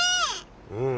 うん。